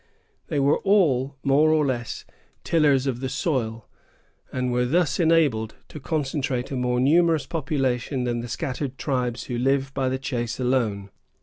They were all, more or less, tillers of the soil, and were thus enabled to concentrate a more numerous population than the scattered tribes who live by the chase alone.